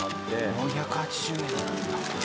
４８０円なんだ。